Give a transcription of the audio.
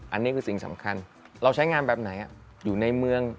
อันนี้คือสิ่งสำคัญเราใช้งานแบบไหนอยู่ในเมือง